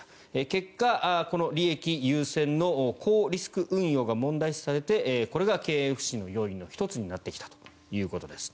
結果、この利益優先の高リスク運用が問題視されてこれが経営不振の要因の１つになってきたということです。